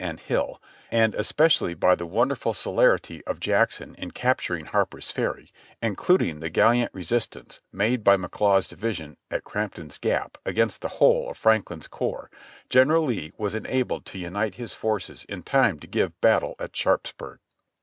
276 JOHNNY REB and BILLY YANK Hill, and especially by the wonderful celerity of Jackson in captur ing Harper's Ferry, including the gallant resistance made by Mc Laws's division at Crampton's Gap against the whole of Franklin's corps, General Lee was enabled to unite his forces in time to give battle at Sharpsburg.